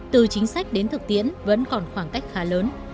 từ chính sách đến thực tiễn vẫn còn khoảng cách khá lớn